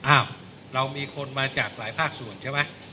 เรามีคนมาจากหลายภาคส่วนใช่ไหม